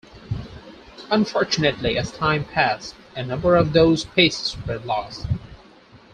Unfortunately, as time passed, a number of those pieces were lost.